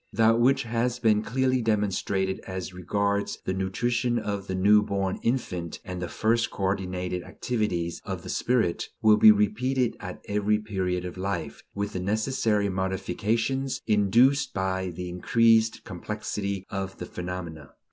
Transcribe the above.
That which has been clearly demonstrated as regards the nutrition of the new born infant and the first coordinated activities of the spirit will be repeated at every period of life, with the necessary modifications induced by the increased complexity of the phenomena.